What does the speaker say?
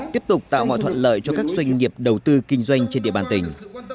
tiếp tục tạo mọi thuận lợi cho các doanh nghiệp đầu tư kinh doanh trên địa bàn tỉnh